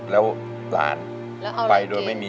แล้วร้านไปโดยไม่มีอะไรเลย